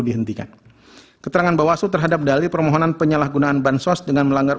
dihentikan keterangan bawaslu terhadap dali permohonan penyalahgunaan bansos dengan melanggar